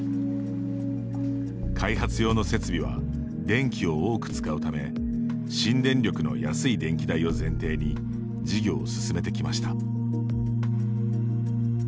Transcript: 開発用の設備は電気を多く使うため新電力の安い電気代を前提に事業を進めてきました。